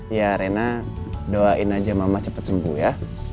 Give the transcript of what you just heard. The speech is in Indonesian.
iya rena doain aja mama cepet sembuh ya